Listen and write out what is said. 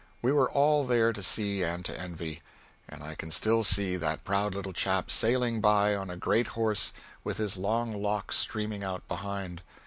We were all there to see and to envy. And I can still see that proud little chap sailing by on a great horse, with his long locks streaming out behind.